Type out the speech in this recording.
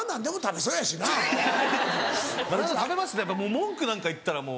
文句なんか言ったらもう。